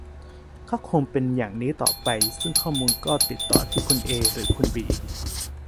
ก็คงเป็นอย่างนี้ต่อไป ซึ่งข้อมูลก็ติดต่อที่คุณเอ หรือคุณบี